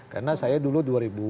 karena saya dulu dua ribu enam belas